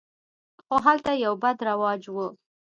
خو هلته یو بد رواج و.